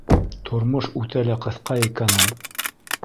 Тормош үтә лә ҡыҫҡа икән ул.